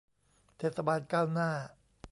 เทศบาลก้าวหน้า